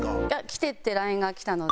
「来て」ってＬＩＮＥがきたので。